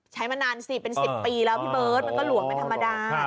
มานานสิเป็น๑๐ปีแล้วพี่เบิร์ตมันก็หลวมเป็นธรรมดา